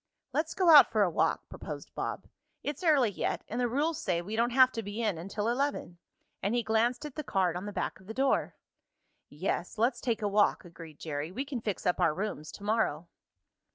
"Let's go out for a walk," proposed Bob. "It's early yet and the rules say we don't have to be in until eleven," and he glanced at the card on the back of the door. "Yes, let's take a walk," agreed Jerry. "We can fix up our rooms to morrow."